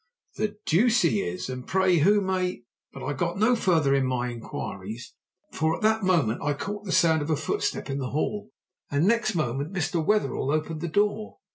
"The deuce he is, and pray who may " but I got no farther in my inquiries, for at that moment I caught the sound of a footstep in the hall, and next moment Mr. Wetherell opened the door.